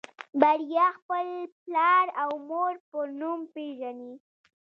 بريا خپل پلار او مور په نوم پېژني.